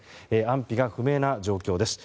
安否が不明な状況です。